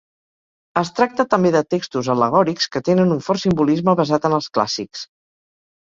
Es tracta també de textos al·legòrics que tenen un fort simbolisme basat en els clàssics.